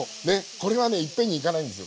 これはね一遍にいかないんですよ